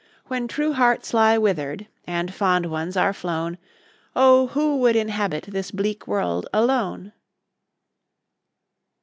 When true hearts lie wither'd, And fond ones are flown, Oh ! who would inhabit This bleak world alone